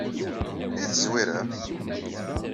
I tezwirem?